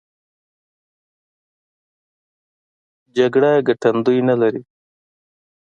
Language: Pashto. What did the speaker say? جګړه ګټندوی نه لري.